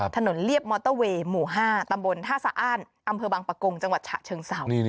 เรียบมอเตอร์เวย์หมู่๕ตำบลท่าสะอ้านอำเภอบางปะกงจังหวัดฉะเชิงเศร้า